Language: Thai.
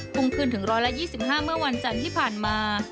พุ่งขึ้นถึง๑๒๕เมื่อวันจันทร์ที่ผ่านมา